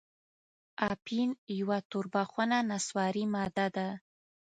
اپین یوه توربخنه نسواري ماده ده.